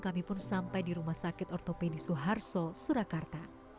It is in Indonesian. kami pun sampai di rumah sakit ortopedi suharto surakarta